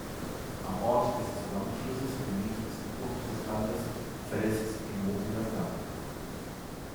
Am Ort des Zusammenflusses, dem niedrigsten Punkt des Landes, verlässt die Mosel das Land.